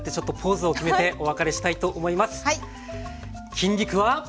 筋肉は。